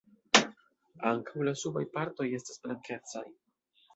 Ankaŭ la subaj partoj estas blankecaj.